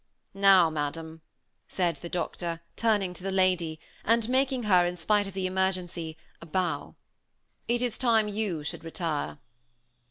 "Now, Madame," said the doctor, turning to the lady, and making her, in spite of the emergency, a bow, "it is time you should retire."